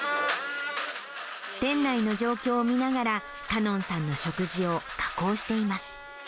店内の状況を見ながら、かのんさんの食事を加工しています。